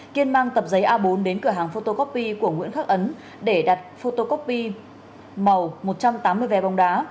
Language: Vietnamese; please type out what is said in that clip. kiên mang tập giấy a bốn đến cửa hàng photocopy của nguyễn khắc ấn để đặt photocopy màu một trăm tám mươi vé bóng đá